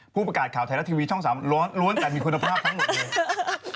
ผู้ประกาศข่าวไทยรัฐทีวีช่อง๓ล้วนแต่มีคุณภาพทั้งหมดเลย